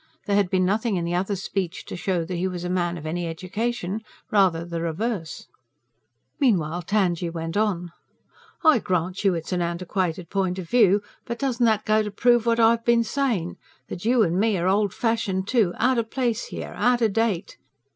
There had been nothing in the other's speech to show that he was a man of any education rather the reverse. Meanwhile Tangye went on: "I grant you it's an antiquated point o' view; but doesn't that go to prove what I've been sayin'; that you and me are old fashioned, too out o' place here, out o' date?